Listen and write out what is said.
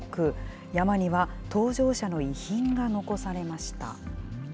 山には搭乗者の遺品が残されました。